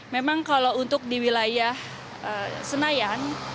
memang kalau untuk di wilayah senayan